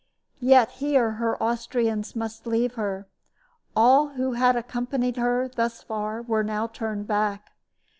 Yet here her Austrians must leave her. All who had accompanied her thus far were now turned back.